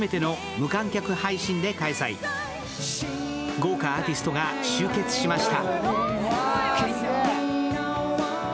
豪華アーティストが集結しました。